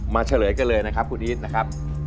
เฉลยกันเลยนะครับคุณอีทนะครับ